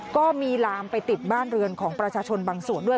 ก็มีลามไปติดบ้านเรือนของประชาชนบางส่วนด้วย